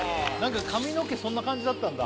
髪の毛そんな感じだったんだ？